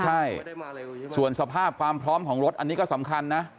ใช่ส่วนสภาพความพร้อมของรถอันนี้ก็สำคัญนะ